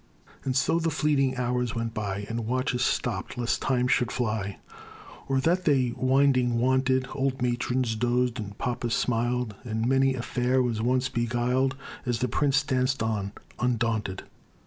And so the fleeting hours went by, And watches stopped lest Time should fly Or that they winding wanted; Old matrons dozed, and papas smiled, And many a fair one was beguiled As the prince danced on, undaunted.